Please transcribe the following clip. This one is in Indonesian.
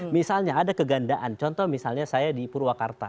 misalnya ada kegandaan contoh misalnya saya di purwakarta